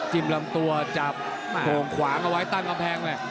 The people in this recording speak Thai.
จิ้มลำตัวจับโหงขวางเอาไว้ต้านกำแพง